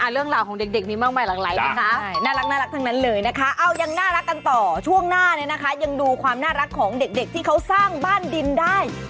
เรื่องราวของเด็กมีมากมายหลังไหร่นะคะ